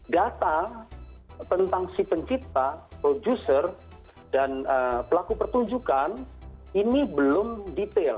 data tentang si pencipta producer dan pelaku pertunjukan ini belum detail